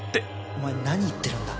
お前何言ってるんだ。